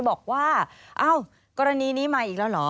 บอกว่าเอ้ากรณีนี้มาอีกแล้วเหรอ